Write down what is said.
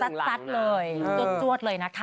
สัตว์เลยจวดเลยนะคะ